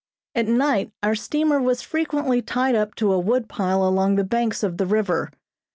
At night our steamer was frequently tied up to a wood pile along the banks of the river.